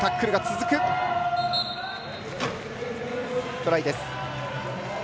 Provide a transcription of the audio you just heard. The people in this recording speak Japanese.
トライです。